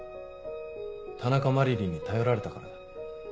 田中麻理鈴に頼られたからだ。